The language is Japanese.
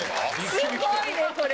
すごいねこれ。